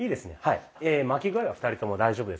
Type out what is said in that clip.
巻き具合は２人とも大丈夫ですので。